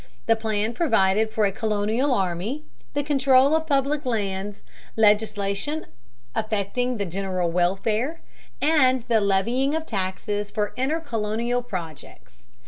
The plan provided for a colonial army, the control of public lands, legislation affecting the general welfare, and the levying of taxes for intercolonial projects.